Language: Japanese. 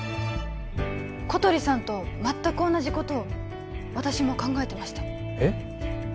小鳥さんとまったく同じことを私も考えてましたえっ？